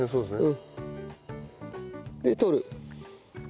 で取る。